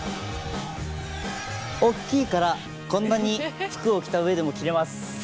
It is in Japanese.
大っきいからこんなに服を着た上でも着れます。